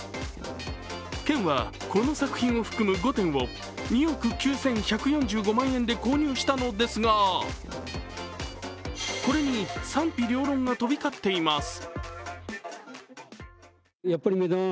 県はこの作品を含む５点を２億９１４５万円で購入したのですがこれに賛否両論が飛び交っています。